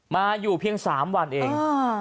มาอยู่เพียง๓วันเอง